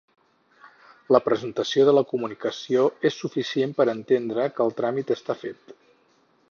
La presentació de la comunicació és suficient per entendre que el tràmit està fet.